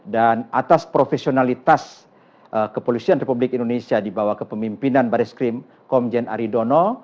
dan atas profesionalitas kepulusan republik indonesia di bawah kepemimpinan baris krim komjen aridono